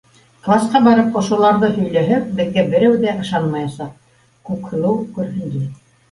Класҡа барып ошоларҙы һөйләһәк, беҙгә берәү ҙә ышанмаясаҡ, - Күкһылыу көрһөндө.